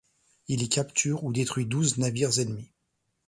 Il y capture ou détruit douze navires ennemis.